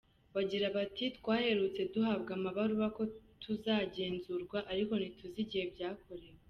Bagira bati “Twaherutse duhabwa amabaruwa ko tuzagenzurwa, ariko ntituzi igihe byakorewe.